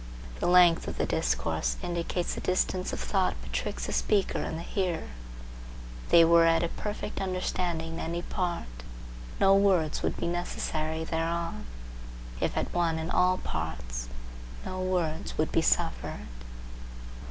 The length of the discourse indicates the distance of thought betwixt the speaker and the hearer. If they were at a perfect understanding in any part, no words would be necessary thereon. If at one in all parts, no words would be suffered.